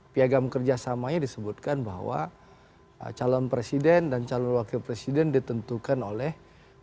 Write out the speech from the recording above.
piagam kerjasamanya disebutkan bahwa calon presiden dan calon wakil presiden ditentukan oleh